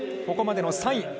ここまでの３位。